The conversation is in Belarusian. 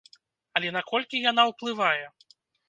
Але наколькі яна ўплывае?